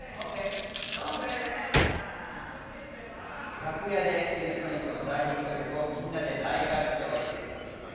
楽屋でシルク・ソニックの大ヒット曲をみんなで大合唱をしています。